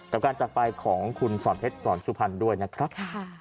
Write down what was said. กับการจักรไปของคุณสอนเพชรสอนสุพรรณด้วยนะครับ